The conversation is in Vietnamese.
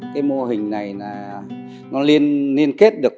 cái mô hình này là nó liên kết được